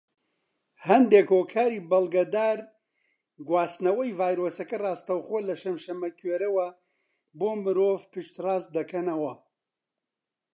هەندێک هۆکاری بەڵگەدار گواستنەوەی ڤایرۆسەکە ڕاستەوخۆ لە شەمشەمەکوێرەوە بۆ مرۆڤ پشت ڕاست دەکەنەوە.